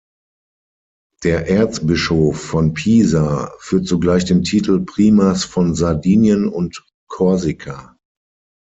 Der Erzbischof von Pisa führt zugleich den Titel „Primas von Sardinien und Korsika“.